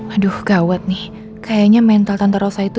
aduh gawat nih kayaknya mental tante rosa itu